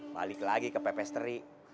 balik lagi ke pepe seri